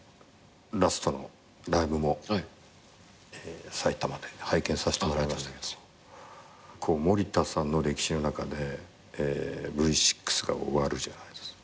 ラストのライブもさいたまで拝見させてもらいましたけど森田さんの歴史の中でＶ６が終わったじゃないですか。